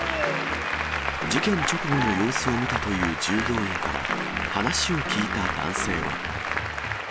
事件直後の様子を見たという従業員から、話を聞いた男性は。